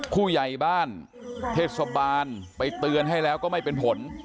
ผู้ใหญ่บ้านเทศบาลไปเตือนให้แล้วก็ไม่เป็นผล